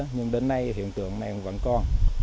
nhưng đến nay hiện tượng này vẫn còn